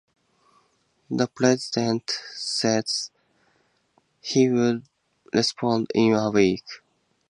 The president said he would respond in a week.